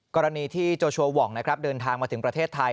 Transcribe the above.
กรณีที่โจชัว่องนะครับเดินทางมาถึงประเทศไทย